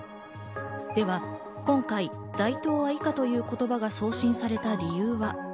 では今回、大東亜以下という言葉が送信された理由は？